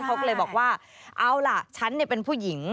เขาก็เลยบอกว่าเอาล่ะฉันเป็นผู้หญิง